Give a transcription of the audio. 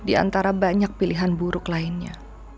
di antara banyak pilihan buruk lainnya